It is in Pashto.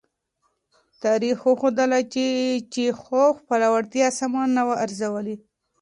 تاریخ وښودله چې چیخوف خپله وړتیا سمه نه وه ارزولې.